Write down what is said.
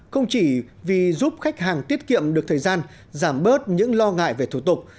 không chỉ vì giúp khách hàng tiết kiệm được thời gian giảm bớt những lo ngại về thủ tục